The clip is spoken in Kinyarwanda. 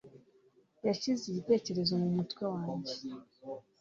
Yashyize igitekerezo mumutwe wanjye.